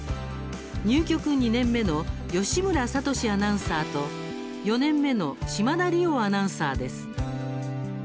入局２年目の義村聡志アナウンサーと４年目の島田莉生アナウンサーです。